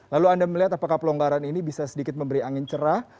lalu anda melihat apakah pelonggaran ini bisa sedikit memberi angin cerah